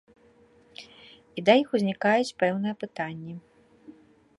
І да іх узнікаюць пэўныя пытанні.